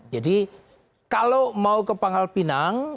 jadi kalau mau ke pangkal pinang